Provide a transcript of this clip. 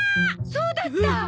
そうだった！